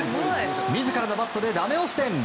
自らのバットでダメ押し点。